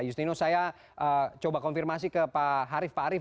yusnino saya coba konfirmasi ke pak arief